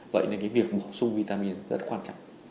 vậy nên cái việc bổ sung vitamin rất quan trọng